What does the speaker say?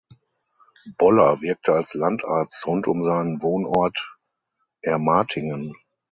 Boller wirkte als Landarzt rund um seinen Wohnort Ermatingen.